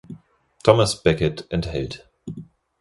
Thomas Becket enthält.